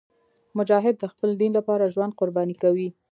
مجاهد د خپل دین لپاره ژوند قرباني کوي.